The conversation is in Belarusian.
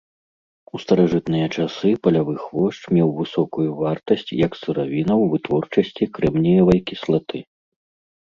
У старажытныя часы палявы хвошч меў высокую вартасць як сыравіна ў вытворчасці крэмніевай кіслаты.